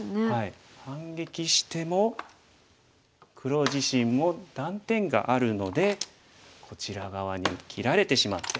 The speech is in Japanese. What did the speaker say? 反撃しても黒自身も断点があるのでこちら側に切られてしまって。